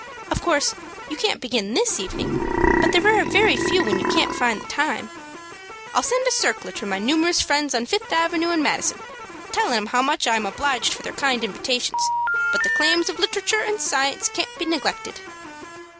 Of course, you can't begin this evening, but there are very few when you can't find the time." "I'll send a circ'lar to my numerous friends on Fifth Avenue and Madison, tellin' 'em how much I'm obliged for their kind invitations, but the claims of literatoor and science can't be neglected."